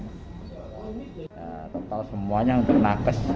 total semuanya untuk nakas